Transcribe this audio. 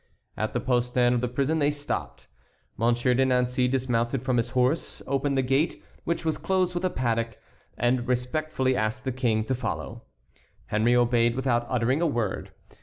At the postern of the prison they stopped. Monsieur de Nancey dismounted from his horse, opened the gate, which was closed with a padlock, and respectfully asked the king to follow. Henry obeyed without uttering a word.